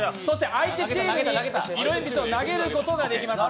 相手チームに色鉛筆を投げることができます。